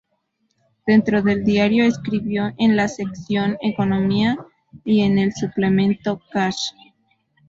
Dentro del diario escribió en la sección Economía y en el suplemento "Cash".